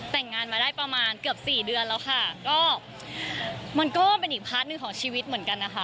แต่งงานมาได้ประมาณเกือบสี่เดือนแล้วค่ะก็มันก็เป็นอีกพาร์ทหนึ่งของชีวิตเหมือนกันนะคะ